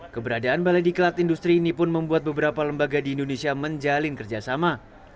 keberadaan balai diklat industri ini pun membuat beberapa lembaga di indonesia menjalin kerjasama